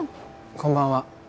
こんばんは。